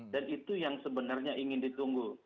dan itu yang sebenarnya ingin ditunggu